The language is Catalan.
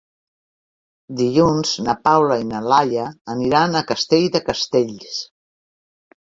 Dilluns na Paula i na Laia aniran a Castell de Castells.